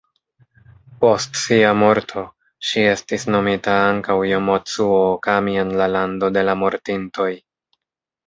Post sia morto, ŝi estis nomita ankaŭ Jomocu-ookami en la lando de la mortintoj.